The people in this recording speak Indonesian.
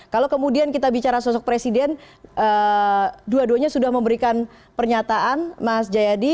kalau kemudian kita bicara sosok presiden dua duanya sudah memberikan pernyataan mas jayadi